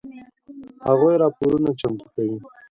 هغوی راپورونه چمتو کوي.